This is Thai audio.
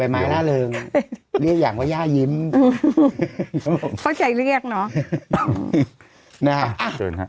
แหละลึงเรียกอย่างว่าย่ายิ้มเขาใช้เรียกเนอะนะฮะอะเชิญ